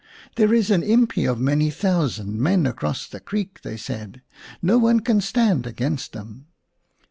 " There is an iinpi l of many thousand men across the creek," they said ; "no one can stand against them."